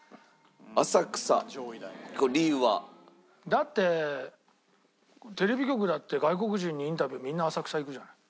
だってテレビ局だって外国人にインタビューみんな浅草行くじゃない。